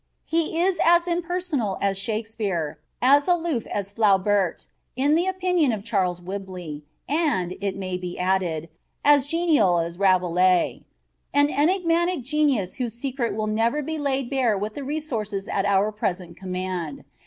He is as impersonal as Shakespeare, as aloof as Flaubert, in the opinion of Charles Whibley, and, it may be added, as genial as Rabelais; an enigmatic genius whose secret will never be laid bare with the resources at our present command.